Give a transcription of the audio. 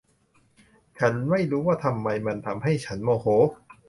ฉันไม่รู้ว่าทำไมมันทำให้ฉันโมโห